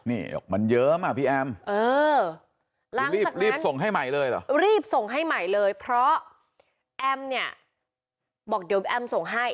นี่มันเยิ้มอ่ะพี่แอมรีบส่งให้ใหม่เลยเหรอรีบส่งให้ใหม่เลยเพราะแอมเนี่ยบอกเดี๋ยวแอมส่งให้